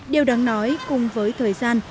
điều đáng nói cùng với thời gian